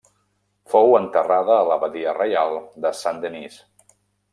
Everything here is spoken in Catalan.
Fou enterrada a l'abadia reial de Saint-Denis.